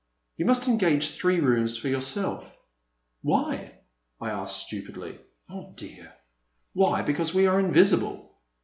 You must engage three rooms for yourself. ''*' Why ?" I asked stupidly. *' Oh dear — why because we are invisible.